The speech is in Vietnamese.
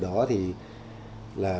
đó thì là